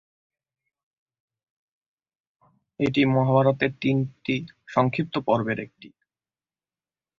এটি মহাভারতের তিনটি সংক্ষিপ্ত পর্বের একটি।